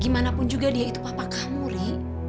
walaupun dia itu papa kamu riri